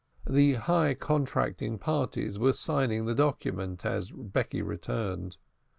The high contracting parties were signing the document as Becky returned.